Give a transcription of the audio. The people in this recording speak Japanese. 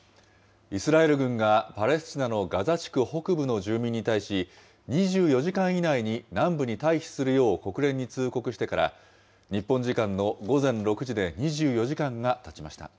イスラエル軍がパレスチナのガザ地区北部の住民に対し、２４時間以内に南部に退避するよう国連に通告してから、日本時間の午前６時で２４時間がたちました。